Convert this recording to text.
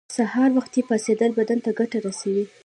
سهار وختی پاڅیدل بدن ته ګټه رسوی